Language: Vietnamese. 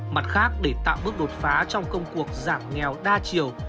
mặt khác để tạo bước đột phá trong công cuộc giảm nghèo đa chiều